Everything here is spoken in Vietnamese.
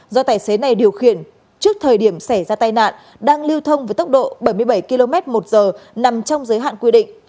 do tài xế này điều khiển trước thời điểm xảy ra tai nạn đang lưu thông với tốc độ bảy mươi bảy kmh nằm trong giới hạn quy định